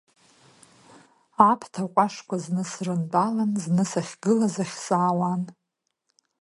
Аԥҭа ҟәашқәа зны срынтәалан, зны сахьгылаз ахь саауан.